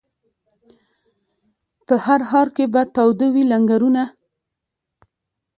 په هر ښار کي به تاوده وي لنګرونه